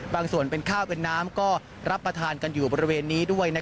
ส่วนเป็นข้าวเป็นน้ำก็รับประทานกันอยู่บริเวณนี้ด้วย